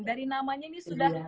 dari namanya ini sudah